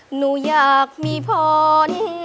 หนูอยากมีพ้อน